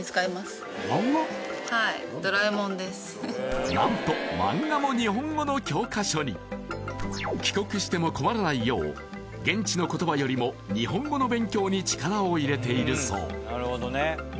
はい「ドラえもん」です何と帰国しても困らないよう現地の言葉よりも日本語の勉強に力を入れているそう